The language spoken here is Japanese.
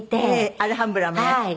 アルハンブラも寄って。